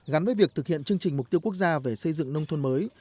gắn với việc thực hiện chương trình mục tiêu quốc gia về xây dựng nông thôn mới